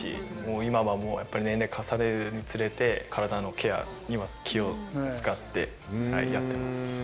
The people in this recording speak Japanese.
今はもう、やっぱり年齢重ねるにつれて、体のケアには気を遣ってやってます。